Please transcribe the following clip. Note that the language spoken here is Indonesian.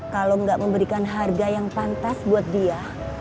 kalau nggak memberikan harga yang pantas buat dia